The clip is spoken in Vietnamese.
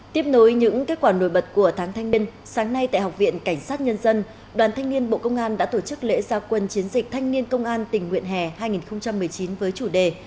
tiếp nối những kết quả nổi bật của tháng thanh niên sáng nay tại học viện cảnh sát nhân dân đoàn thanh niên bộ công an đã tổ chức lễ gia quân chiến dịch thanh niên công an tình nguyện hè hai nghìn một mươi chín với chủ đề